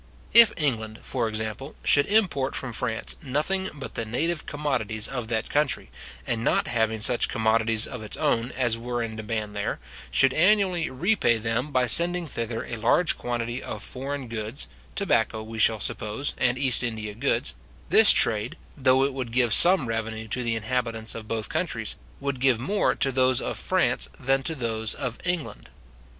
If England, for example, should import from France nothing but the native commodities of that country, and not having such commodities of its own as were in demand there, should annually repay them by sending thither a large quantity of foreign goods, tobacco, we shall suppose, and East India goods; this trade, though it would give some revenue to the inhabitants of both countries, would give more to those of France than to those of England.